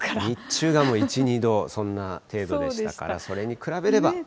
日中がもう１、２度、そんな程度でしたから、それに比べれば。